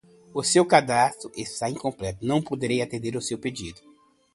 O seu cadastro está incompleto, não poderei atender o seu pedido.